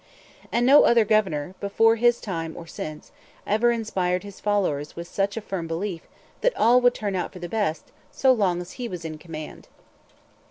And no other governor, before his time or since, ever inspired his followers with such a firm belief that all would turn out for the best so long as he was in command.